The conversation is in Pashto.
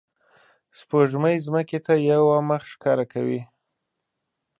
سپوږمۍ ځمکې ته یوه مخ ښکاره کوي